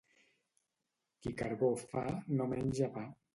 Qui carbó fa, no menja pa.